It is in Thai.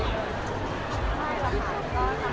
พี่เอ็มเค้าเป็นระบองโรงงานหรือเปลี่ยนไงครับ